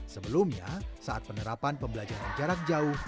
sebelumnya saat penerapan pembelajaran jarak jauh